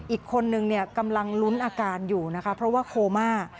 อีกคนนึงเนี่ยกำลังลุ้นอาการอยู่นะคะเพราะว่าโคม่า